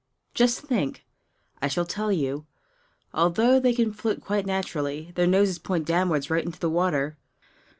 Just think! I shall tell you. Although they can float quite naturally, their noses point downward right into the water.